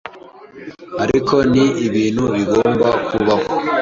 ariko ni ibintu bigomba kubaho,